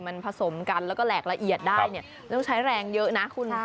มันผสมกันแล้วก็แหลกละเอียดได้เนี่ยต้องใช้แรงเยอะนะคุณ